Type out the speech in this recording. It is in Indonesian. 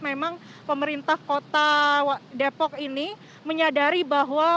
memang pemerintah kota depok ini menyadari bahwa